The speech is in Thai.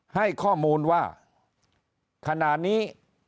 ให้ข้อมูลว่าขณะนี้